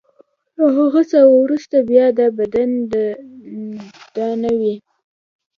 له هغه څخه وروسته بیا دا بدن د ده نه وي.